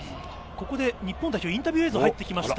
ここで日本代表インタビュー映像が入ってきました。